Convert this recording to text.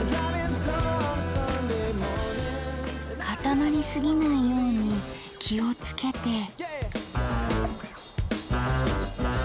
かたまりすぎないように気をつけて。